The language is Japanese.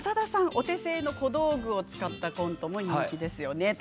お手製の小道具を使ったコントも人気ですよね。